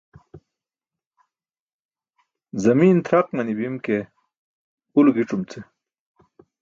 Zami̇n tʰraq manibim ke ulo gi̇c̣umce.